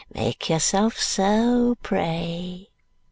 Make yourself so, pray!"